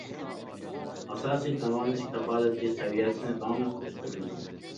ئاساسىي داۋالىنىش كاپالىتى سەۋىيەسىنى داۋاملىق ئۆستۈرىمىز.